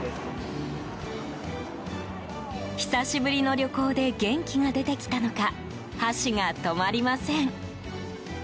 久しぶりの旅行で元気が出てきたのか箸が止まりません。